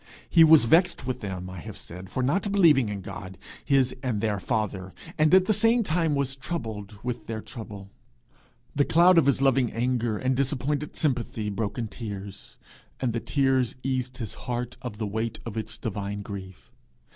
He was vexed with them, I have said, for not believing in God, his and their father; and at the same time was troubled with their trouble. The cloud of his loving anger and disappointed sympathy broke in tears; and the tears eased his heart of the weight of its divine grief.